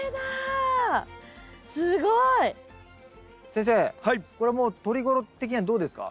先生これもうとり頃的にはどうですか？